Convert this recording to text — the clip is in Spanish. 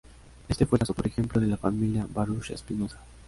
Éste fue el caso, por ejemplo, de la familia Baruch Spinoza.